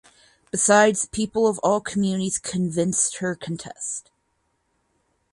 Besides people of all communities convinced her contest.